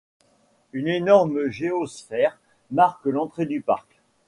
Une énorme géosphère marque l'entrée du parc.